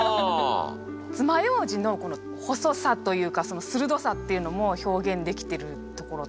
爪楊枝のこの細さというか鋭さっていうのも表現できてるところとか。